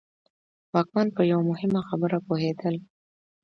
واکمن په یوه مهمه خبره پوهېدل.